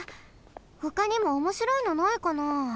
ほかにもおもしろいのないかな？